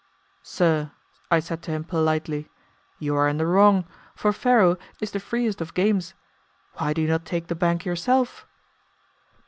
"Sir," I said to him, politely, "you are in the wrong, for faro is the freest of games. Why do you not take the bank yourself?"